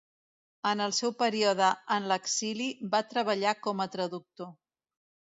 En el seu període en l'exili va treballar com a traductor.